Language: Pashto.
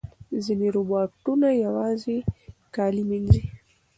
ځینې روباټونه یوازې کالي مینځي.